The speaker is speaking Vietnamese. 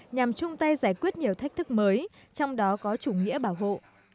nhằm chung tay giải quyết nhiều thách thức mới trong đó có chủ nghĩa bảo hộ